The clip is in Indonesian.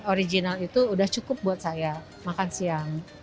original itu udah cukup buat saya makan siang